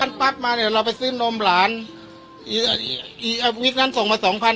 ปั๊บมาเนี่ยเราไปซื้อนมหลานอีวิกนั้นส่งมาสองพัน